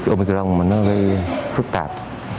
ômikron nó bị phức tạp